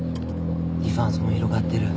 デファンスも広がっている。